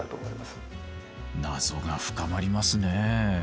ナゾが深まりますね。